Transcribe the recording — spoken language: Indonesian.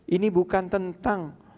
ini bukan tentang